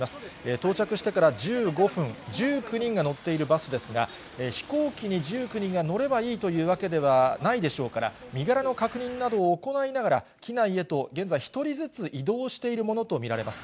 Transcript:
到着してから１５分、１９人が乗っているバスですが、飛行機に１９人が乗ればいいというわけではないでしょうから、身柄の確認などを行いながら、機内へと現在、１人ずつ移動しているものと見られます。